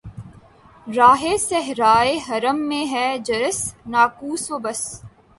راہِ صحرائے حرم میں ہے جرس‘ ناقوس و بس